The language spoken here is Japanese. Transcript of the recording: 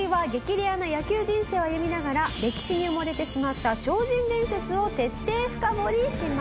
レアな野球人生を歩みながら歴史に埋もれてしまった超人伝説を徹底深掘りします。